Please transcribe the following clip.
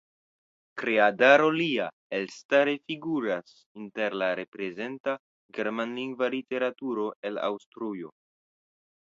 Kreadaro lia elstare figuras inter la reprezenta germanlingva literaturo el Aŭstrujo.